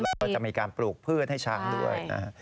แล้วก็จะมีการปลูกพืชให้ช้างด้วยนะฮะ